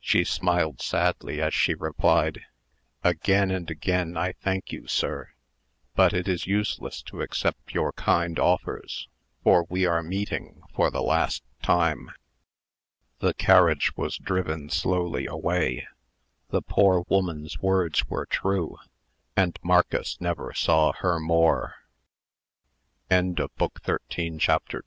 She smiled sadly, as she replied: "Again and again I thank you, sir; but it is useless to accept your kind offers, for we are meeting for the last time." The carriage was driven slowly away. The poor woman's word's were true; and Marcus never saw her more. CHAPTER III UNCLE AND NIECE. Marcus Wilkeson